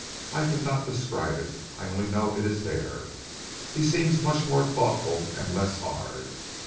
"I cannot describe it. I only know it is there. He seems much more thoughtful and less hard.